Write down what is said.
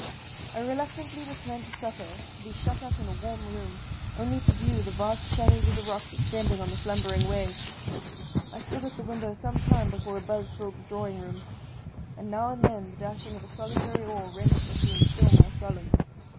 I reluctantly returned to supper, to be shut up in a warm room, only to view the vast shadows of the rocks extending on the slumbering waves. I stood at the window some time before a buzz filled the drawing room, and now and then the dashing of a solitary oar rendered the scene still more solemn.